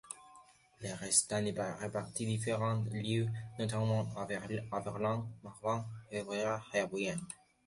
Le restant est réparti en différents lieux, notamment à Berlin, Marbach, Weimar et Vienne.